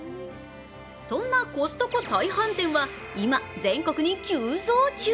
そんなコストコ再販店は今、全国に急増中。